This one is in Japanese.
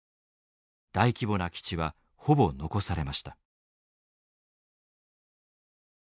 大規模な基地はほぼ残されました。